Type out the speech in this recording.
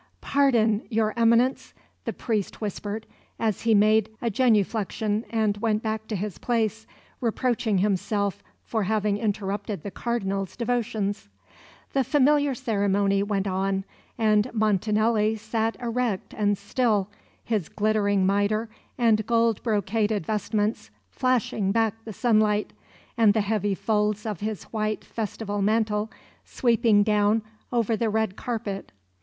"Pardon, Your Eminence!" the priest whispered, as he made a genuflexion and went back to his place, reproaching himself for having interrupted the Cardinal's devotions. The familiar ceremony went on; and Montanelli sat erect and still, his glittering mitre and gold brocaded vestments flashing back the sunlight, and the heavy folds of his white festival mantle sweeping down over the red carpet.